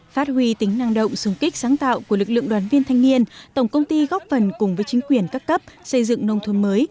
phát huy tính năng động súng kích sáng tạo của lực lượng đoàn viên thanh niên tổng công ty góp phần cùng với chính quyền các cấp xây dựng nông thôn mới